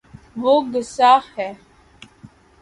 وہ گصاہ ہے